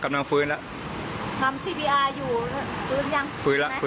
กำลังฟื้นแล้ว